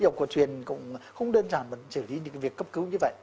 y học quả truyền cũng không đơn giản mà xử lý những việc cấp cứu như vậy